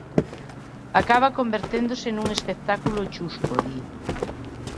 Acaba converténdose nun espectáculo chusco, di.